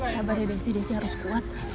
sabar ya desti desti harus kuat